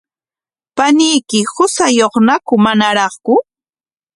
¿Paniyki qusayuqñaku manaraqku?